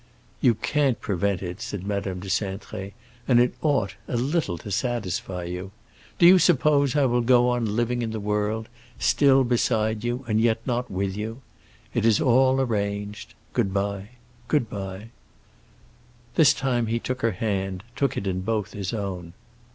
"You can't prevent it," said Madame de Cintré, "and it ought—a little—to satisfy you. Do you suppose I will go on living in the world, still beside you, and yet not with you? It is all arranged. Good bye, good bye." This time he took her hand, took it in both his own.